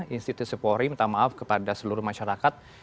institusi polri minta maaf kepada seluruh masyarakat